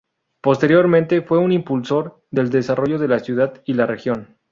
Posteriormente fue un impulsor del desarrollo de la ciudad y la región.